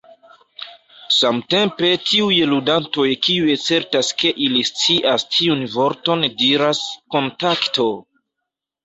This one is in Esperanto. Samtempe tiuj ludantoj kiuj certas ke ili scias tiun vorton diras "Kontakto!